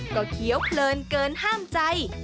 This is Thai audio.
ก็เคี้ยวเพลินเกินห้ามใจ